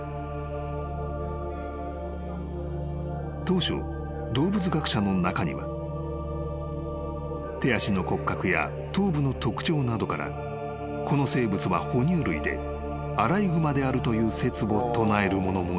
［当初動物学者の中には手足の骨格や頭部の特徴などからこの生物は哺乳類でアライグマであるという説を唱える者もいた］